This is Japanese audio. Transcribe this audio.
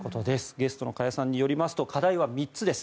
ゲストの加谷さんによりますと課題は３つです。